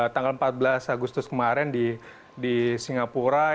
tanggal empat belas agustus kemarin di singapura